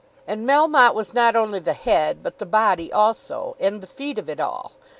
And Melmotte was not only the head, but the body also, and the feet of it all.